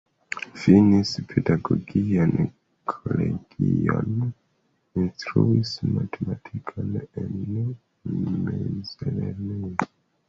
Finis pedagogian kolegion, instruis matematikon en mezlernejo.